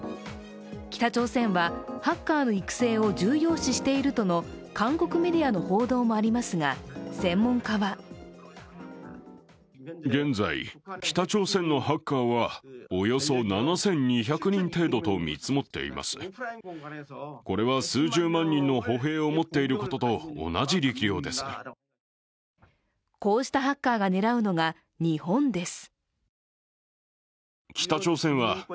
北朝鮮は、ハッカーの育成を重要視しているとの韓国メディアの報道もありますが専門家はこうしたハッカーが狙うのが日本です。